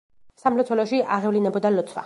სამლოცველოში აღევლინებოდა ლოცვა.